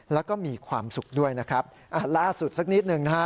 แล้วก็มีความสุขด้วยนะครับอ่าล่าสุดสักนิดหนึ่งนะฮะ